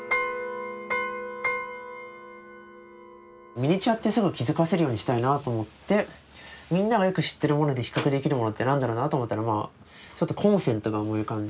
ミニチュアってすぐ気付かせるようにしたいなと思ってみんながよく知ってるもので比較できるものって何だろうなと思ったらちょっとコンセントが思い浮かんで。